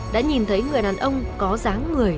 đã nhìn thấy người đàn ông có dáng người